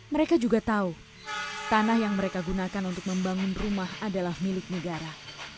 mereka juga tahu tanah yang mereka gunakan untuk membangun rumah adalah milik negara